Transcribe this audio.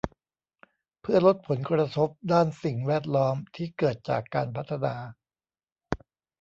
เพื่อลดผลกระทบด้านสิ่งแวดล้อมที่เกิดจากการพัฒนา